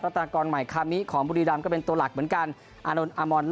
ตัดตากรใหม่คามิขอมบุรีรัมก็เป็นตัวหลักเหมือนกันอานลอร์มอร์มอล